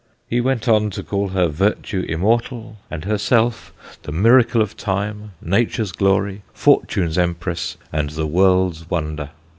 He went on to call her virtue immortal and herself the Miracle of Time, Nature's Glory, Fortune's Empress, and the World's Wonder.